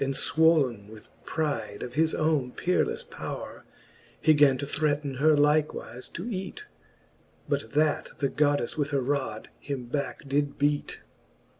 And fwolne with pride of his owne peerelefle powre, He gan to threaten her likewife to eat j But that the Goddefle with her rod him backe did beat.